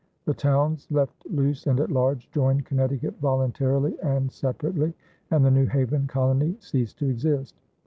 The towns, left loose and at large, joined Connecticut voluntarily and separately, and the New Haven colony ceased to exist.